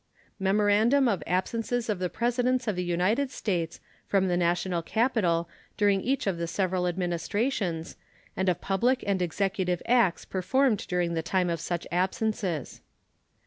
_Memorandum of absences of the Presidents of the United States from the national capital during each of the several Administrations, and of public and executive acts performed during the time of such absences_.